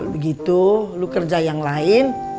begitu lu kerja yang lain